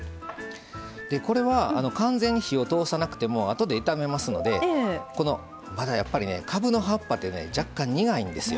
これは完全に火を通さなくてもあとで炒めますのでやっぱり、かぶの葉っぱって若干苦いんですよ。